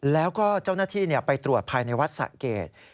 แล้วก็เจ้าหน้าที่ไปตรวจภายในวัดสะเกด